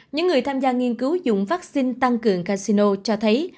những người tham gia nghiên cứu dùng vaccine tăng cường casino cho thấy